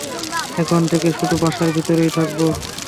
এখন থেকে শুধু বাসার ভিতরেই থাকবে।